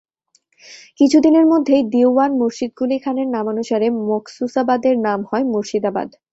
কিছু দিনের মধ্যেই দীউয়ান মুর্শিদকুলী খানের নামানুসারে মখসুসাবাদের নাম হয় মুর্শিদাবাদ।